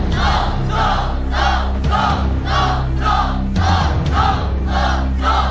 สู้ค่ะ